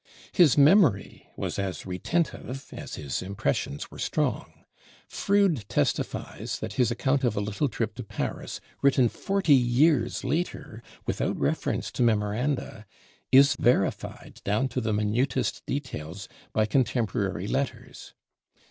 His memory was as retentive as his impressions were strong. Froude testifies that his account of a little trip to Paris, written forty years later without reference to memoranda, is verified down to the minutest details by contemporary letters.